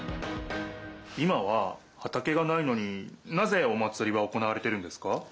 今ははたけがないのになぜお祭りは行われてるんですか？